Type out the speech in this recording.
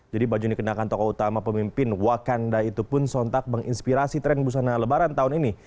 jadi baju dikenakan tokoh utama pemimpin wakanda itu pun sontak menginspirasi tren busana lebaran tahun ini